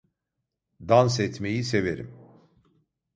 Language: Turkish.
Dans etmeyi severim.